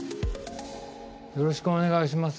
よろしくお願いします。